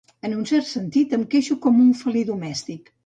En un cert sentit, em queixo com un felí domèstic.